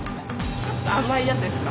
ちょっと甘いやつですか？